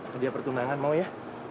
hadiah pertunangan mau ya